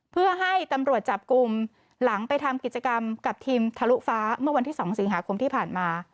เพื่อให้ตำรวจจับกลุ่มหลังไปทำกิจกรรมกับทีมทะลุฟ้าเมื่อวันที่๒สิงหาคมที่ผ่านมา